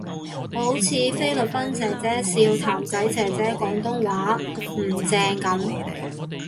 好似菲律賓姐姐笑譚仔姐姐廣東話唔正噉